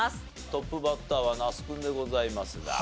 トップバッターは那須君でございますが。